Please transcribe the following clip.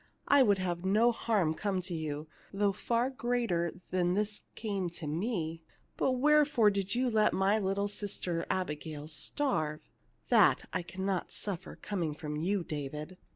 I would have no harm come to you, though far greater than this came to me, but wherefore did you let my little sister Abigail starve ? That can I not suffer, coming from you, David."